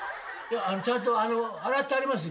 ちゃんと洗ってありますよ。